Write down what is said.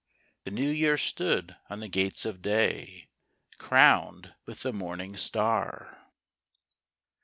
The New Year stood in the gates of day, Crowned with the morning star.